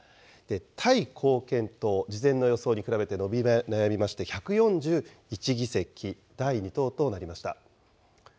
タイ貢献党、事前の予想に比べて伸び悩みまして１４１議席、第２党となりました。